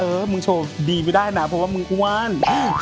เออมึงโชว์ดีไม่ได้นะเพราะว่ามึงอ้วน